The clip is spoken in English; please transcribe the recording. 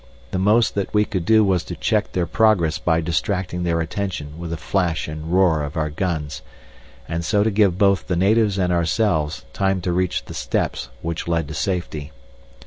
The most that we could do was to check their progress by distracting their attention with the flash and roar of our guns, and so to give both the natives and ourselves time to reach the steps which led to safety.